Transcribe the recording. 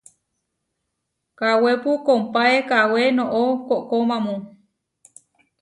Kawépu kompáe kawé noʼó koʼkomamu.